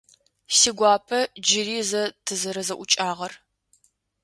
Сигуапэ джыри зэ тызэрэзэӏукӏагъэр?